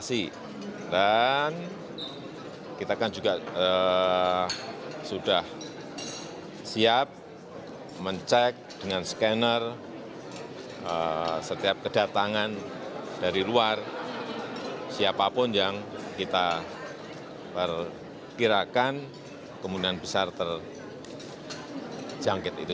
siap mencek dengan scanner setiap kedatangan dari luar siapapun yang kita perkirakan kemudian besar terjangkit itu